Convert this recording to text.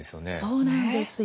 そうなんですよ。